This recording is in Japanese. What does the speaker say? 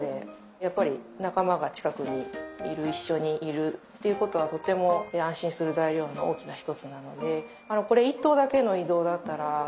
やっぱり仲間が近くにいる一緒にいるっていうことはとても安心する材料の大きな一つなので。